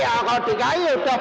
ya kalau dki udah